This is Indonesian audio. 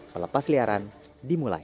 pelepas liaran dimulai